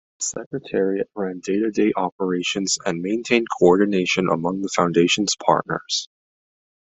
The Secretariat ran day-to-day operations and maintained co-ordination among the Foundation's partners.